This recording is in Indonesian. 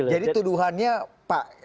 jadi tuduhannya pak